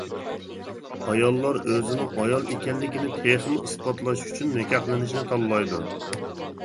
ئاياللار ئۆزىنىڭ ئايال ئىكەنلىكىنى تېخىمۇ ئىسپاتلاش ئۈچۈن نىكاھلىنىشنى تاللايدۇ.